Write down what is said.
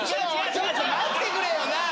ちょっと待ってくれよなあ！